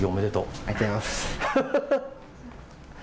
ありがとうございます。